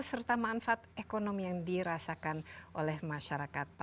serta manfaat ekonomi yang dirasakan oleh masyarakat